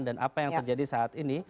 dan apa yang terjadi saat ini